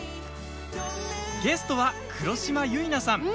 ゲストは、黒島結菜さん。